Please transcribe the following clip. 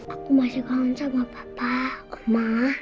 aku masih kangen sama papa koma